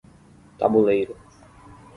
Tabuleiro